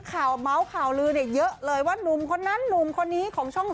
แล้วคือเมาส์ข่าวลื้อเยอะเลยว่าหนุ่มคนนั้นหนุ่มคนนี้ของช่อง๓